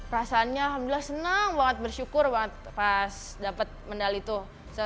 perasaannya alhamdulillah senang banget bersyukur banget pas dapat medali tuh